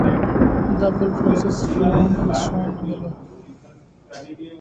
The full process flow is shown below.